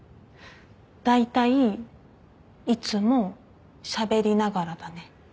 だいたいいつもしゃべりながらだね。